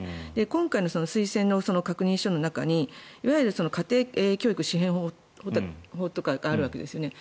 今回の推薦の確認書の中にいわゆる家庭教育支援法とかがあるわけですよね。